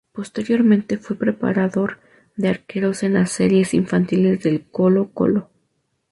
Posteriormente fue preparador de arqueros en las series infantiles del Colo-Colo.